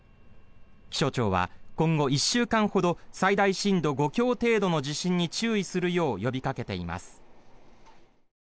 気象庁は、今後１週間ほど最大震度５強程度の地震に注意するよう呼びかけています。